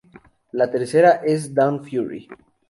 La tercera es Dawn Fury.